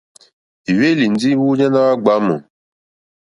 Ì hwélì ndí múɲáná wá ɡbwǎmù.